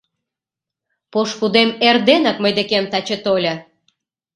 Пошкудем эрденак мый декем таче тольо.